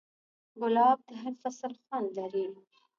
ګلاب د هر فصل خوند لري.